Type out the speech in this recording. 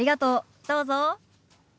どうぞ。